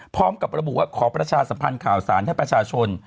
พร้อมกับระบุว่าขอประชาสัมพันธ์ข่าวสารให้ประชาชน